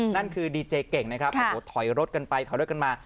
นั่นคือดีเจเก่งนะครับโอ้โหถอยรถกันไปถอยรถกันมา